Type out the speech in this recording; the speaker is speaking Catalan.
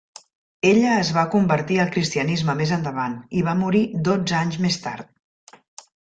Ella es va convertir al Cristianisme més endavant, i va morir dotze anys més tard.